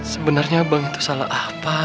sebenarnya bank itu salah apa